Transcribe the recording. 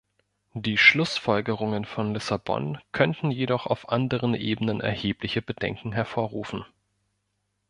Die Schlussfolgerungen von Lissabon könnten jedoch auf anderen Ebenen erhebliche Bedenken hervorrufen.